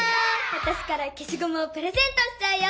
わたしからけしごむをプレゼントしちゃうよ。